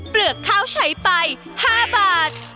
เปลือกข้าวใช้ไป๕บาท